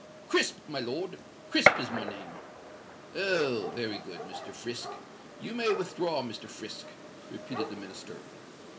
"Crisp, my lord—Crisp is my name." "Oh! very good, Mr. Frisk. You may withdraw, Mr. Frisk," repeated the Minister.